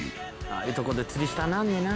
ああいうとこで釣りしたなんねな。